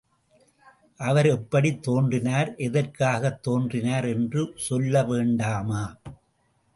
அவர் எப்படித் தோன்றினார், எதற்காகத் தோன்றினார் என்று சொல்ல வேண்டாமா?